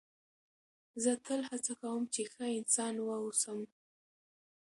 زه تل هڅه کوم، چي ښه انسان واوسم.